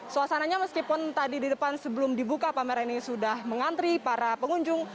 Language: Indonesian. suasananya meskipun tadi di depan sebelum dibuka pameran ini sudah mengantri para pengunjung